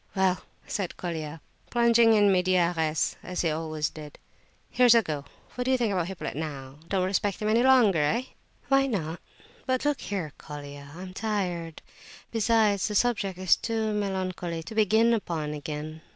"Well," said Colia, plunging in medias res, as he always did, "here's a go! What do you think of Hippolyte now? Don't respect him any longer, eh?" "Why not? But look here, Colia, I'm tired; besides, the subject is too melancholy to begin upon again.